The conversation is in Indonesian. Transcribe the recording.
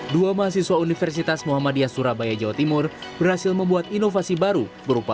dua mahasiswa universitas muhammadiyah surabaya jawa timur berhasil membuat inovasi baru berupa